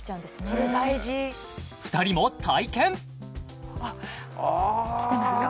それ大事２人も体験あっきてますか？